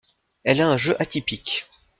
Elle a un jeu atypique.